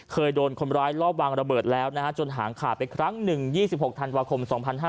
เคยโดนคนร้ายรอบวางระเบิดแล้วนะฮะจนหางขาดไปครั้ง๑๒๖ธันวาคม๒๕๕๙